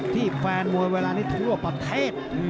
แฟนมวยเวลานี้ทั่วประเทศ